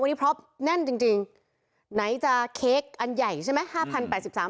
วันนี้พร็อปแน่นจริงไหนจะเค้กอันใหญ่ใช่ไหม